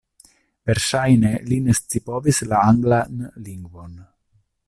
Verŝajne li ne scipovis la anglan lingvon.